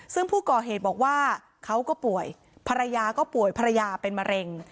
ซึ่งผู้ก่อเหตุบอกว่าเขาก็ป่วยภรรยาก็ป่วยภรรยาเป็นมะเร็ง